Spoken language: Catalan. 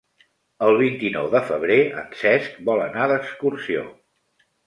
El vint-i-nou de febrer en Cesc vol anar d'excursió.